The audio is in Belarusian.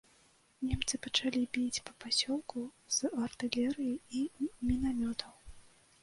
Немцы пачалі біць па пасёлку з артылерыі і мінамётаў.